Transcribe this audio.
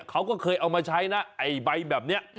เขาก็เคยเอามาใช้นะไอ้ใบแบบนี้